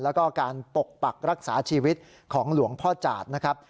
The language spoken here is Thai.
แล้วก็การปกปักรักษาชีวิตของหลวงพ่อจาดนะครับ